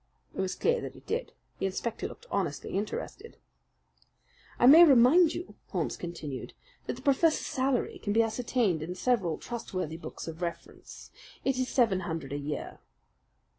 It was clear that it did. The inspector looked honestly interested. "I may remind you," Holmes continued, "that the professor's salary can be ascertained in several trustworthy books of reference. It is seven hundred a year."